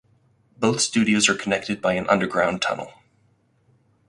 Both studios are connected by an underground tunnel.